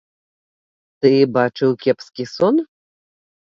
Ты бачыў кепскі сон?